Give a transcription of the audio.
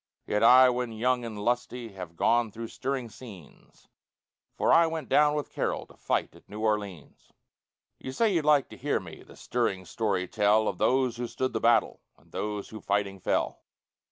Yet I, when young and lusty, Have gone through stirring scenes, For I went down with Carroll To fight at New Orleans. You say you'd like to hear me The stirring story tell, Of those who stood the battle And those who fighting fell.